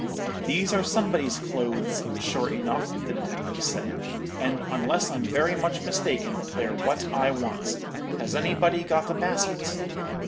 "'These are somebody's clothes, sure enough,' the detective said; 'and, unless I'm very much mistaken, they're what I want. Has anybody got a basket?'